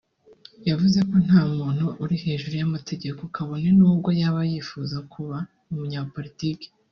yavuze ko nta muntu uri hejuru y’amategeko kabone n’ubwo yaba yifuza kuba umunyapolitiki